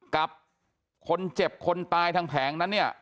กับคนเจ็บคนตายทางแผงนั้นเนี่ย